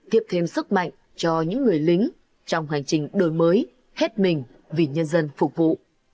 thiệp thêm sức mạnh cho những người lính trong hành trình đổi mới hết mình vì nhân dân phục vụ